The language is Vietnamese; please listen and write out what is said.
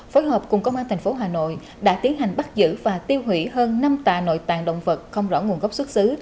phối hợp cùng công an tp hà nội đã tiến hành bắt giữ và tiêu hủy hơn năm tà nội tàng động vật không rõ nguồn gốc xuất xứ